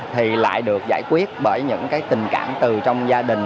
thì lại được giải quyết bởi những cái tình cảm từ trong gia đình